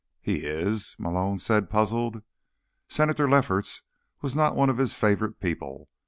"He is?" Malone said, puzzled. Senator Lefferts was not one of his favorite people.